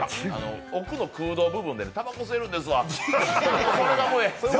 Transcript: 奥の空洞部分でタバコ吸えるんですわ。